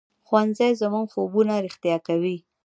ښوونځی زموږ خوبونه رښتیا کوي